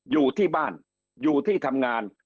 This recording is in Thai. อยู่ที่บ้านอยู่ที่ทำงาน